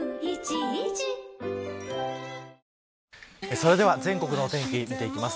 それでは全国のお天気、見ていきます。